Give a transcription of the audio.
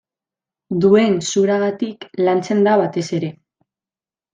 Duen zuragatik lantzen da batez ere.